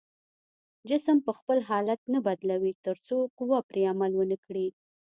جسم به خپل حالت نه بدلوي تر څو قوه پرې عمل ونه کړي.